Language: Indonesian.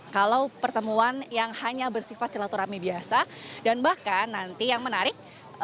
kalau pertemuan yang hanya bersifat silaturahmi biasa dan bahkan nanti yang menarik